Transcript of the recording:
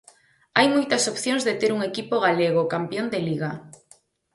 Hai moitas opcións de ter un equipo galego campión de Liga.